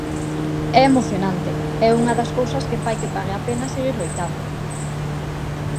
É emocionante, e é unha das cousas que fai pague a pena seguir loitando.